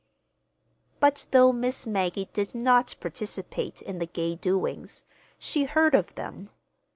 But though Miss Maggie did not participate in the gay doings, she heard of them.